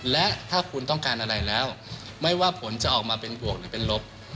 และถ้าคุณต้องการอะไรแล้วไม่ว่าผลจะออกมาเป็นบวกหรือเป็นลบ